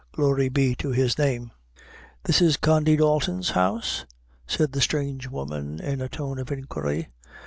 Glory be to his name!" "This is Condy Dalton's house?" said the strange woman in a tone of inquiry.